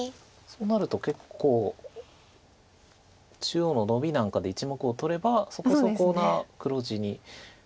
そうなると結構中央のノビなんかで１目を取ればそこそこな黒地になりそうです。